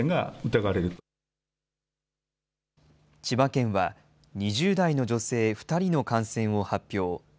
千葉県は、２０代の女性２人の感染を発表。